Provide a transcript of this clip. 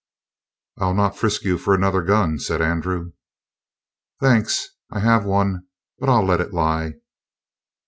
"I'll not frisk you for another gun," said Andrew. "Thanks; I have one, but I'll let it lie."